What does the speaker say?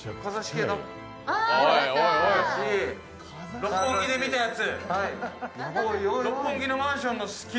六本木で見たやつ。